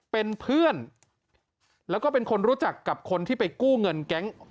เป็นเพื่อนแล้วก็เป็นคนรู้จักกับคนที่ไปกู้เงินแก๊ง